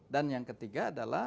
dan yang ketiga